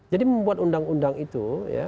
jadi membuat undang undang itu